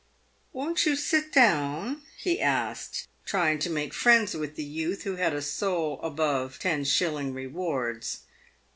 " "Won't you sit down ?" he asked, trying to make friends with the youth who had a soul above ten shilling rewards.